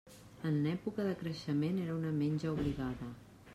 En època de creixement era una menja obligada.